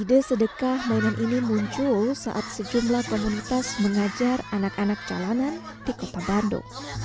ide sedekah mainan ini muncul saat sejumlah komunitas mengajar anak anak jalanan di kota bandung